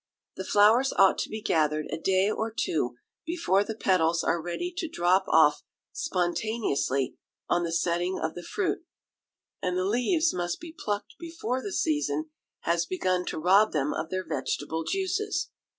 The flowers ought to be gathered a day or two before the petals are ready to drop off spontaneously on the setting of the fruit: and the leaves must he plucked before the season has begun to rob them of their vegetable juices.